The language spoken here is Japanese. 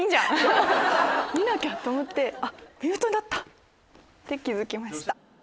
見なきゃ！と思ってミュートだった！って気付きました。